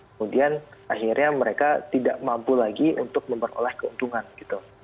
kemudian akhirnya mereka tidak mampu lagi untuk memperoleh keuntungan gitu